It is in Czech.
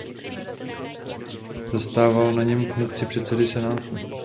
Zastával na něm funkci předsedy senátu.